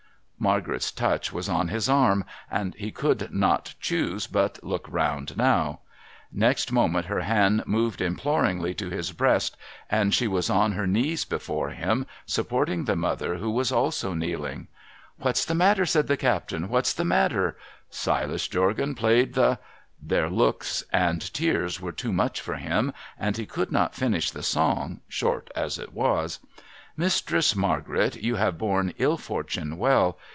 Margaret's touch was on his arm, and he could not choose but lock round now. Next moment her hand moved imploringly to his breast, and she was on her knees before him, — supporting the mother, who was also kneeling. ANOTHER GOLDEN PICTURE 251 ' What's the matter ?' said the cai:)tain. ' \Mmt's the matter ? Silas Jorgaii Played the ' Their looks and tears were too much for him, and he could not finish the song, short as it was. ' Mistress Margaret, you have borne ill fortune well.